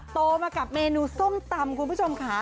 โตมากับเมนูส้มตำคุณผู้ชมค่ะ